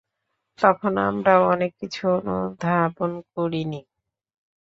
তখন আমরাও অনেক কিছু অনুধাবন করিনি।